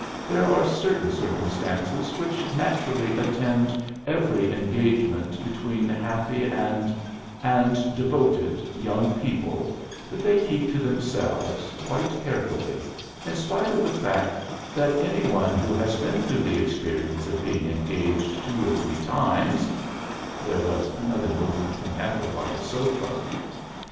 "There are certain circumstances which naturally attend every engagement between happy and and devoted young people that they keep to themselves quite carefully, in spite of the fact that any one who has been through the experience of being engaged two or three times " There was another movement from Ethel by the sofa.